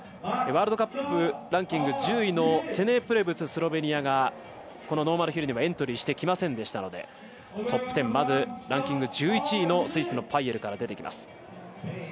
ワールドカップランキング１０位のツェネ・プレブツがノーマルヒルにはエントリーしてきませんでしたのでトップ１０、ランキング１１位のパイエルから出てきます。